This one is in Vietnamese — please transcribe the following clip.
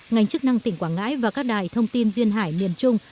ngành chức năng tỉnh quảng ngãi và các đài thông tin duyên hải miền trung